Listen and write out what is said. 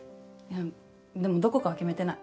でもどこかは決めてない。